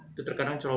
itu terkadang ceroboh